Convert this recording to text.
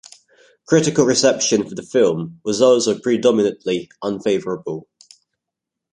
Critical reception for the film was also predominately unfavorable.